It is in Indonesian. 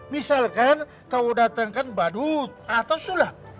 misalkan kau datangkan badut atau sulap